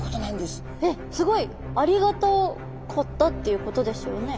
すごいありがたかったっていうことですよね。